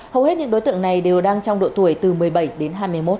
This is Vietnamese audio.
hầu hết những đối tượng này đều đang trong độ tuổi từ một mươi bảy đến hai mươi một